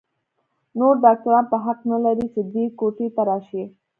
نور ډاکتران به حق نه لري چې دې کوټې ته راشي.